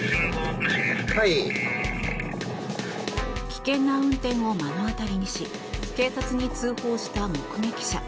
危険な運転を目の当たりにし警察に通報した目撃者。